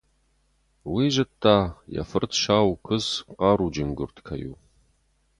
Уый зыдта, йӕ фырт Саукуыдз хъаруджын гуырд кӕй у.